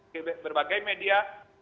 di berbagai media